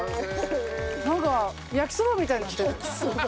なんか焼きそばみたいになってる。